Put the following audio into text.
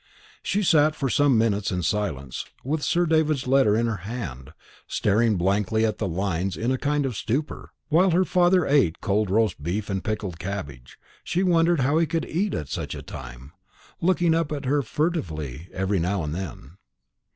She sat for some minutes in silence, with Sir David's letter in her hand, staring blankly at the lines in a kind of stupor; while her father ate cold roast beef and pickled cabbage she wondered how he could eat at such a time looking up at her furtively every now and then.